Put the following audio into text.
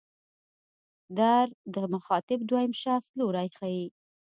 در د مخاطب دویم شخص لوری ښيي.